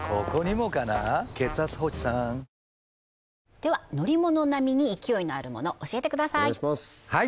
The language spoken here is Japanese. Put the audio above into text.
では乗り物並みに勢いのあるもの教えてください